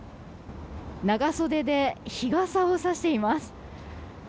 長袖で日傘をさしています。